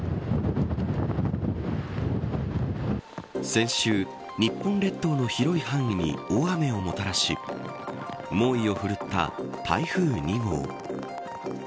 先週、日本列島の広い範囲に大雨をもたらし猛威を振るった台風２号。